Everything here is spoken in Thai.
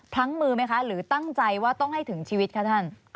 พลั้งมือไหมคะหรือตั้งใจว่าต้องให้ถึงชีวิตคะท่าน